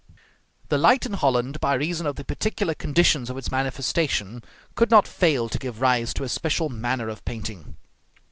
The light in Holland, by reason of the particular conditions of its manifestation, could not fail to give rise to a special manner of painting.